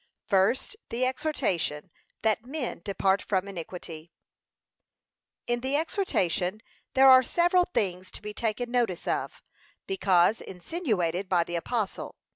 [FIRST, THE EXHORTATION THAT MEN DEPART FROM INIQUITY] In the exhortation there are several things to be taken notice of, because insinuated by the apostle.